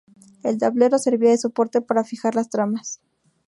El tablero servía de soporte para fijar las tramas.